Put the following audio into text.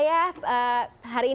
cara nyaris mike